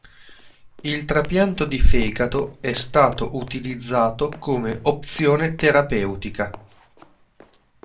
Il trapianto di fegato è stato utilizzato come opzione terapeutica.